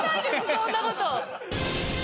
そんなこと。